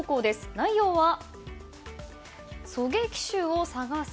内容は、狙撃手を探せ。